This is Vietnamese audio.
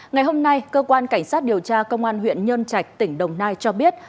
ngày hôm nay cơ quan cảnh sát điều tra công an huyện nhơn chạch tỉnh đồng nai cho biết